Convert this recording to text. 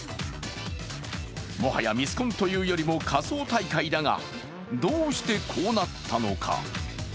もはやミスコンというよりも仮装大会だが、どうしてこうなったのか。